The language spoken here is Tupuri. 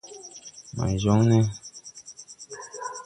May jɔŋ ne?